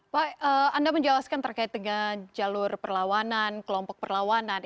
pak anda menjelaskan terkait dengan jalur perlawanan kelompok perlawanan